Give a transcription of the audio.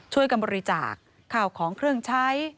ช่วยกันบริจาคข่าวของเครื่องใช้